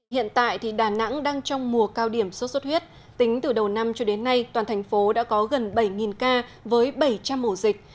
hiện tại đà nẵng đang trong mùa cao điểm sốt xuất huyết tính từ đầu năm cho đến nay toàn thành phố đã có gần bảy ca với bảy trăm linh ổ dịch